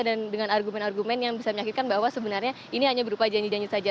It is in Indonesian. dan dengan argumen argumen yang bisa menyakitkan bahwa sebenarnya ini hanya berupa janji janji saja